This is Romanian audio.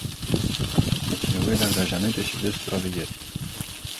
Este nevoie de angajamente și de supraveghere.